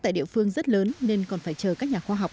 tại địa phương rất lớn nên còn phải chờ các nhà khoa học